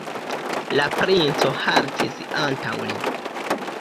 La princo haltis antaŭ li.